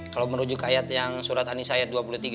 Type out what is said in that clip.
kalau merujuk ke ayat yang surat an nisa ayat dua puluh tiga